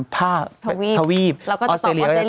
ภาพทวีปออสเตรียอะไรต่าง